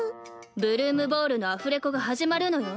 「ブルームボール」のアフレコが始まるのよ。